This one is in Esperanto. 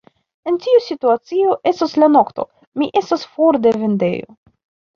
En tiu situacio, estus la nokto, mi estus for de vendejo.